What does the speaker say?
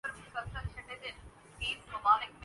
بھٹو کون ہیں؟